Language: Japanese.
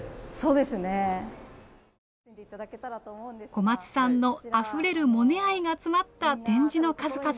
小松さんのあふれる「モネ」愛が詰まった展示の数々。